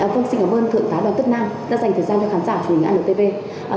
vâng xin cảm ơn thượng tá đoàn tất nam đã dành thời gian cho khán giả truyền hình antv